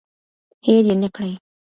هیر یې نکړئ.